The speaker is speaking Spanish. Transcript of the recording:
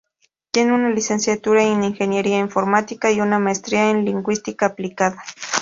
Tiene una licenciatura en Ingeniería Informática y una maestría en Lingüística Aplicada.